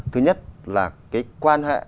thứ nhất là cái quan hệ